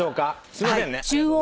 すいませんね。